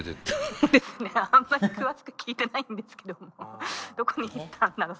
そうですねあんまり詳しく聞いてないんですけどどこに行ったんだろう